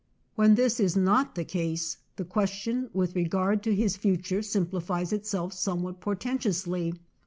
When this is not the case, the question with regard to his future simplifies itself somewhat portentously.